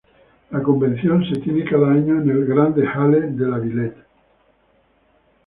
La convención se tiene cada año en la Grande Halle de la Villette.